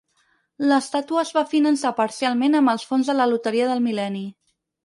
L'estàtua es va finançar parcialment amb els fons de la loteria del mil·lenni.